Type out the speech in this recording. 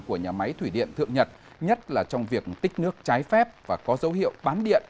của nhà máy thủy điện thượng nhật nhất là trong việc tích nước trái phép và có dấu hiệu bán điện